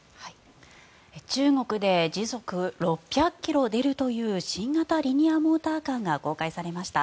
中国で時速６００ｋｍ出るという新型リニアモーターカーが公開されました。